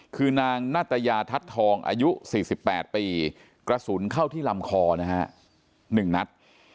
คือนางนาตยาทัศน์ทองอายุ๔๘ปีกระสุนเข้าที่ลำคอนะฮะ๑นัด